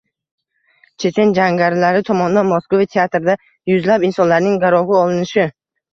Chechen jangarilari tomonidan Moskva teatrida yuzlab insonlarning garovga olinishi